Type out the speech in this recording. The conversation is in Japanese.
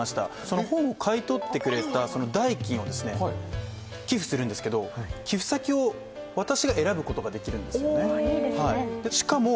その本を買い取ってくれた代金をですね寄付するんですけど寄付先を私が選ぶことができるんですよねいいですね